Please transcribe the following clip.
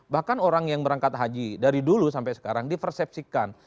bahkan orang yang berangkat haji dari dulu sampai sekarang dipersepsikan